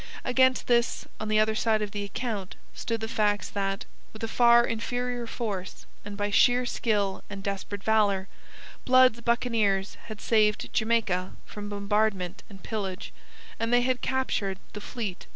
Against this, on the other side of the account, stood the facts that, with a far inferior force and by sheer skill and desperate valour, Blood's buccaneers had saved Jamaica from bombardment and pillage, and they had captured the fleet of M.